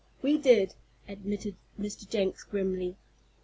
"We did," admitted Mr. Jenks, grimly.